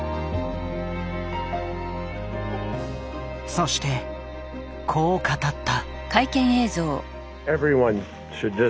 そしてこう語った。